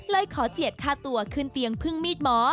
ขอเจียดค่าตัวขึ้นเตียงพึ่งมีดหมอ